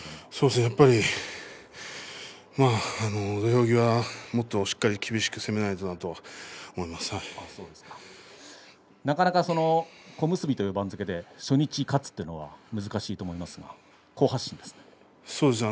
やっぱり、まあ土俵際もっとしっかり厳しくなかなか小結という番付で初日勝つというのは難しいと思いますが好発進ですね。